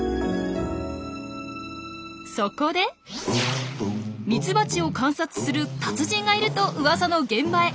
そこでミツバチを観察する達人がいるとうわさの現場へ。